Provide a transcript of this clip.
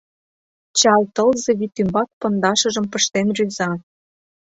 Чал тылзе вӱд ӱмбак пондашыжым пыштен рӱза.